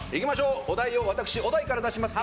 お題を私、小田井から出します。